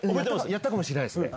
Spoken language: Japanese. やったかもしれないですね。